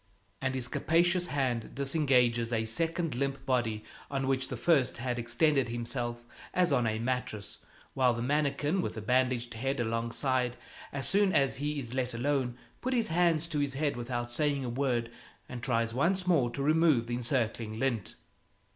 And his capacious hand disengages a second limp body on which the first had extended himself as on a mattress; while the mannikin with the bandaged head alongside, as soon as he is let alone, puts his hands to his head without saying a word and tries once more to remove the encircling lint.